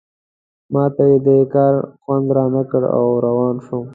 ما ته یې دې کار خوند رانه کړ او روان شوم.